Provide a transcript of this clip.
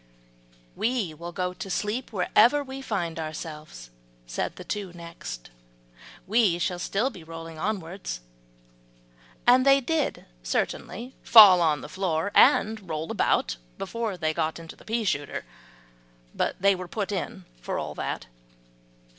"We will go to sleep wherever we find ourselves," said the two next, "we shall still be rolling onwards;" and they did certainly fall on the floor, and roll about before they got into the pea shooter; but they were put in for all that.